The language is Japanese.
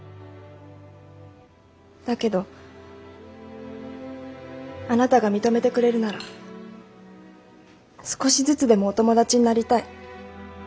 だけどあなたが認めてくれるなら少しずつでもお友達になりたい。